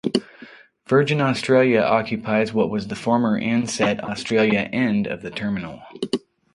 Virgin Australia occupies what was the former Ansett Australia end of the terminal.